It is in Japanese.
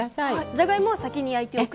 じゃがいもは先に焼いておくと。